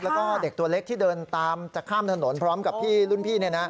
แล้วก็เด็กตัวเล็กที่เดินตามจะข้ามถนนพร้อมกับพี่รุ่นพี่